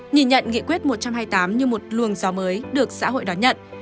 nhìn nhận nghị quyết một trăm hai mươi tám như một luồng gió mới được xã hội đón nhận